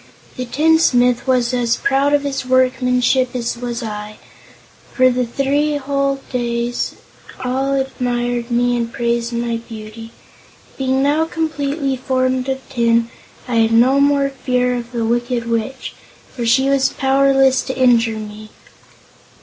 The tinsmith was as proud of his workmanship as I was, and for three whole days, all admired me and praised my beauty. Being now completely formed of tin, I had no more fear of the Wicked Witch, for she was powerless to injure me.